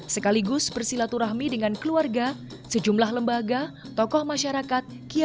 sekaligus bersilaturahmi dengan keluarga sejumlah lembaga tokoh masyarakat